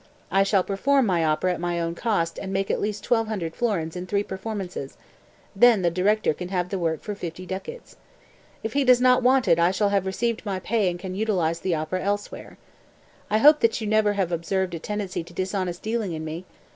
I shall perform my opera at my own cost and make at least 1,200 florins in three performances; then the director can have the work for 50 ducats. If he does not want it I shall have received my pay and can utilize the opera elsewhere. I hope that you have never observed a tendency to dishonest dealing in me.